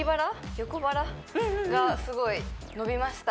横腹がすごい伸びました